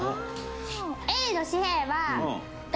Ａの紙幣は「Ｗ」。